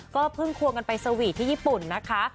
ก็เพิ่งควงกันไปสวีทที่ญี่ปุ่นนะคะ